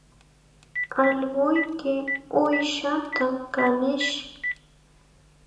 Allquyki uushaata kanish